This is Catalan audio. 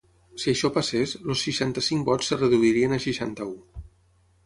Si això passés, els seixanta-cinc vots es reduirien a seixanta-u.